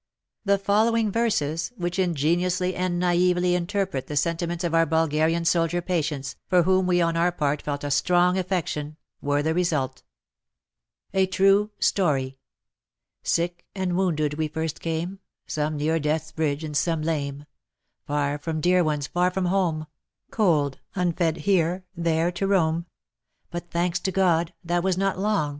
The following verses, which ingeni ously and naively interpret the sentiments of our Bulgarian soldier patients, for whom we on our part felt a strong affection, were the result — WAR AND WOMEN 193 A TRUE STORY Sick and wounded we first came, Some near death's bridge and some lame, Far from dear ones, far from home, Cold, unfed here, there to roam. But thanks to God, that was not long.